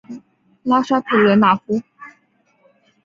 拉沙佩勒纳夫。